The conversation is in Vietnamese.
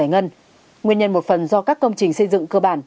nguyên nhân một phần do các công trình xây dựng cơ bản